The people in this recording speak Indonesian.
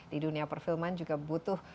di dunia perfilman juga butuh